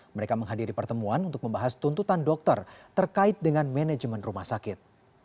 mereka menghadiri pertemuan untuk membahas tuntutan dokter terkait dengan manajemen rumah sakit